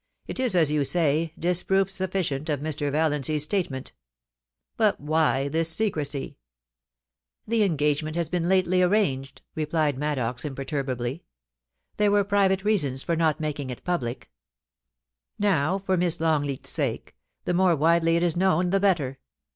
It is, as you say, disproof sufficient of Mr. Valiancy's statement But why this secrecy ?* *The engagement has been lately arranged,' replied Maddox, imperturbably. * There were private reasons for not making it public; now, for Miss Longleat's sake, the 376 POLICY AND PASSIOJV: more widely it is known the better.